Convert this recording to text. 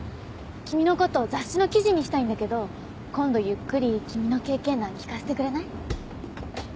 君のこと雑誌の記事にしたいんだけど今度ゆっくり君の経験談聞かせてくれない？